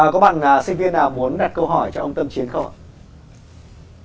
các bạn sinh viên nào muốn đặt câu hỏi cho ông tâm chiến không ạ